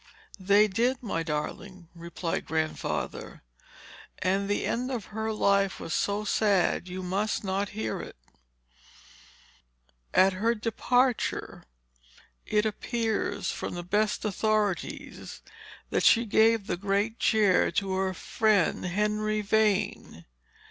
"They did, my darling," replied Grandfather; "and the end of her life was so sad, you must not hear it. At her departure, it appears from the best authorities, that she gave the great chair to her friend, Henry Vane.